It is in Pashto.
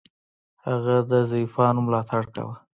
هغه د ضعیفانو ملاتړ کاوه.